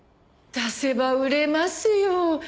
出せば売れますよ。